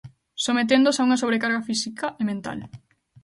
Someténdoos a unha sobrecarga física e mental.